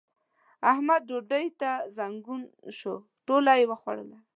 احمد ډوډۍ ته زنګون شو؛ ټوله يې وخوړله.